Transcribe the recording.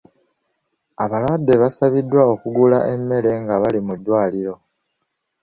Abalwadde baasabiddwa okugula emmere nga bali mu ddwaliro.